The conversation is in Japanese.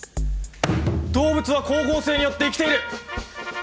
「動物は光合成によって生きている！」。